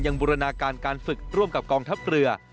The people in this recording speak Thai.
บูรณาการการฝึกร่วมกับกองทัพเรือ